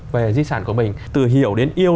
về di sản của mình từ hiểu đến yêu